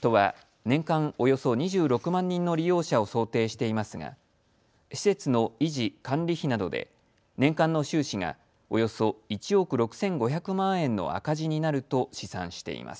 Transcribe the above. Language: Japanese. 都は年間およそ２６万人の利用者を想定していますが施設の維持・管理費などで年間の収支がおよそ１億６５００万円の赤字になると試算しています。